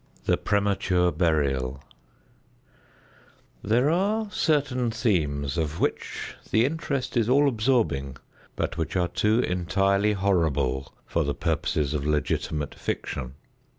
THE PREMATURE BURIAL There are certain themes of which the interest is all absorbing, but which are too entirely horrible for the purposes of legitimate fiction.